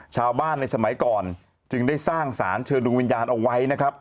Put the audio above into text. ชาวบ้านในสมัยก่อนจึงได้สร้างสารเชิญดวงวิญญาณเอาไว้นะครับ